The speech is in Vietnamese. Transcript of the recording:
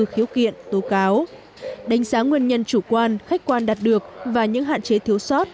khiếu kiện tố cáo đánh giá nguyên nhân chủ quan khách quan đạt được và những hạn chế thiếu sót